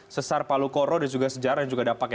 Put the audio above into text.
sesar palu koro dan juga sejarah yang juga dapat